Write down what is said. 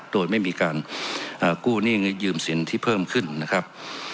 โดยไม่มีการกู้หนี้ยืมสินที่เพิ่มขึ้นนะครับ